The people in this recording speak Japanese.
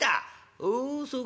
「おおそうかふん。